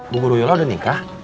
bu guruyola udah nikah